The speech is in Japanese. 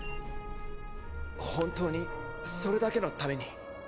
本当にそれだけのために？